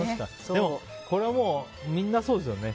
でもこれはみんなそうですよね。